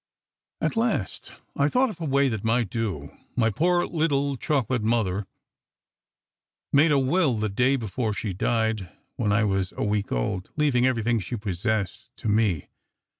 At last I thought of a way that might do. My poor little chocolate mother made a will the day before she died, when I was a week old, leaving everything she possessed to me.